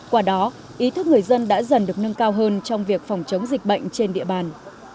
qua đó ý thức người dân đã dần được nâng cao hơn trong việc phòng chống dịch bệnh trên địa bàn